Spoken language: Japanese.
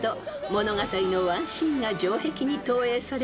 物語のワンシーンが城壁に投影される